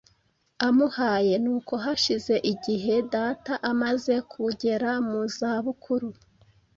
amuhaye. Nuko hashize igihe, data amaze kugera mu za bukuru,